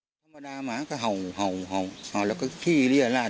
ธรรมดาหมาก็เห่าเห่าเห่่าเห่าแล้วก็ขี้เรียราช